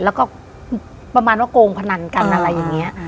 แล้วก็ประมาณว่าโกงพนันกันอะไรอย่างนี้